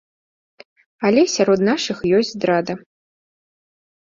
Але сярод нашых ёсць здрада.